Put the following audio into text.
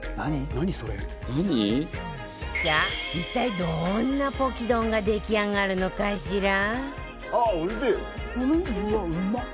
一体、どんなポキ丼が出来上がるのかしら。